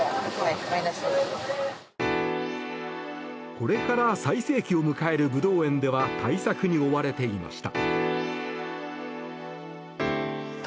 これから最盛期を迎えるブドウ園では対策に追われていました。